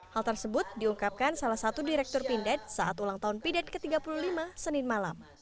hal tersebut diungkapkan salah satu direktur pindad saat ulang tahun pidat ke tiga puluh lima senin malam